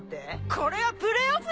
これはプレーオフだよ」